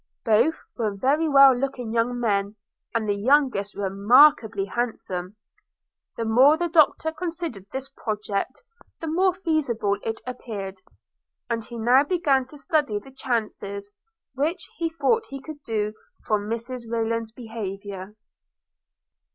Both were very well looking young men, and the youngest remarkably handsome. The more the doctor considered this project, the more feasible it appeared; and he now began to study the chances, which he thought he could do from Mrs Rayland's behaviour.